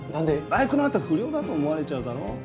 バイクなんて不良だと思われちゃうだろ？